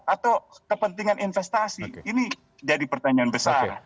atau kepentingan investasi ini jadi pertanyaan besar